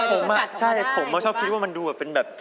ปล่อยดูสะกัดของเขาได้ถูกปะใช่ผมชอบคิดว่ามันดูแบบเป็นแบบ